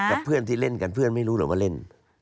กับเพื่อนที่เล่นกันเพื่อนไม่รู้เหรอว่าเล่น